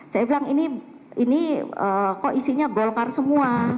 saya bilang ini kok isinya golkar semua